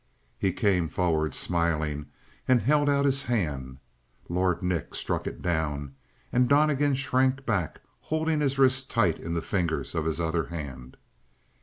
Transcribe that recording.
He came forward, smiling, and held out his hand; Lord Nick struck it down, and Donnegan shrank back, holding his wrist tight in the fingers of his other hand.